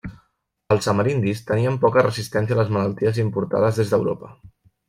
Els amerindis tenien poca resistència a les malalties importades des d'Europa.